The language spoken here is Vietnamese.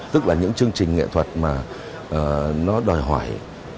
tức là những chương trình nghệ thuật mà nó đòi hỏi